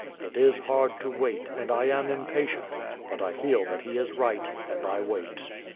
It is hard to wait, and I am impatient, but I feel that he is right, and I wait.